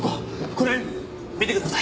これ見てください。